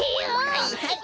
はいはい。